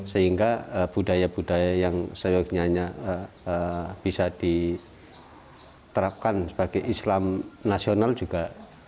sehingga budaya budaya yang seyogianya bisa diterapkan sebagai islam nasional juga